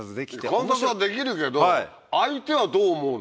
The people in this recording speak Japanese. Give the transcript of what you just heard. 観察はできるけど相手はどう思うの？